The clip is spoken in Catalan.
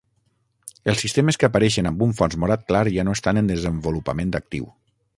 Els sistemes que apareixen amb un fons morat clar ja no estan en desenvolupament actiu.